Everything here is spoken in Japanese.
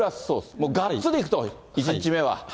もうがっつりいくと、１日目は。